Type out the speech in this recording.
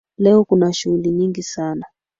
Leo kuna shughuli nyingi sana.